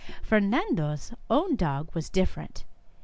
" Fernando's own dog was different.